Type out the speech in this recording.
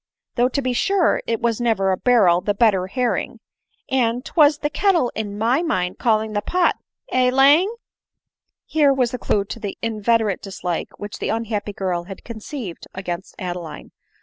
though, to be sure, it was never a barrel the better herring, and 'twas the kettle in my mind calling the pot — heh, Lang. ?" Here was the clue to the inveterate dislike which this unhappy girl had conceived against Adeline.